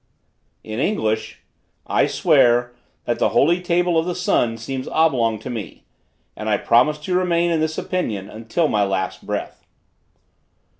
In English: "I swear, that the holy table of the sun seems oblong to me, and I promise to remain in this opinion until my last breath."